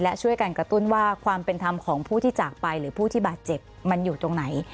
และช่วยกันกระตุ้นว่าความเป็นธรรมของผู้ที่จากไปหรือผู้ที่บาดเจ็บมันอยู่ตรงไหน